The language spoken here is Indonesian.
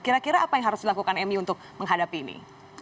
kira kira apa yang harus dilakukan mu untuk menghadapi ini